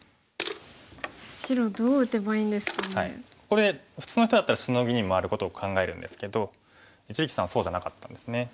これ普通の人だったらシノギに回ることを考えるんですけど一力さんはそうじゃなかったんですね。